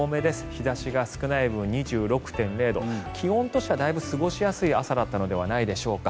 日差しが少ない分２６．０度気温としてはだいぶ過ごしやすい朝だったのではないでしょうか。